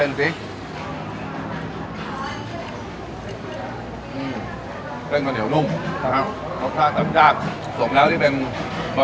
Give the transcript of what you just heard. เห็นกันเดี๋ยวนุ่มนะฮะรสชาติสำจลาดสวมน้ำที่เป็นบะ